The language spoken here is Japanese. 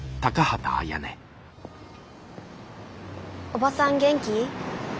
おばさん元気？